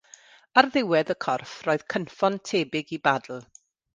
Ar ddiwedd y corff roedd cynffon tebyg i badl.